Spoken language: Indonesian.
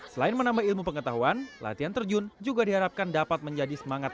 selain menambah ilmu pengetahuan latihan terjun juga diharapkan dapat menjadi semangat